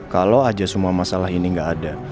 kalau aja semua masalah ini nggak ada